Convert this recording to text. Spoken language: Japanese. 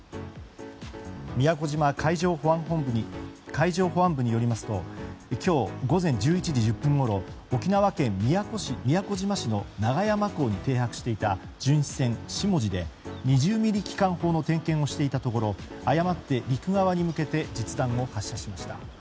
宮古島海上保安部によりますと今日午前１１時１０分ごろ沖縄県宮古島市の長山港に停泊していた巡視船「しもじ」で２０ｍｍ機関砲の点検をしていたところ誤って陸側に向けて実弾を発射しました。